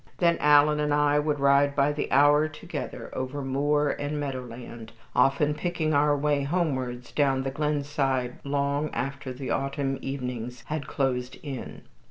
Then Alan and I would ride by the hour together over moor and meadowland, often picking our way homewards down the glen side long after the autumn evenings had closed in.